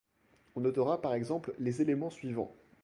On notera par exemple les éléments suivants.